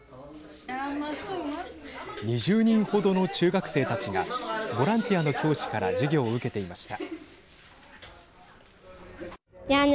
２０人程の中学生たちがボランティアの教師から授業を受けていました。